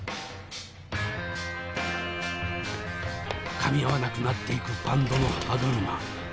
かみ合わなくなっていくバンドの歯車。